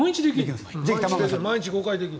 毎日５回できる。